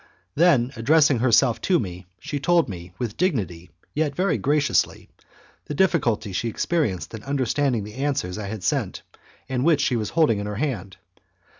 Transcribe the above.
Then addressing herself to me, she told me, with dignity yet very graciously, the difficulty she experienced in understanding the answers I had sent and which she was holding in her hand.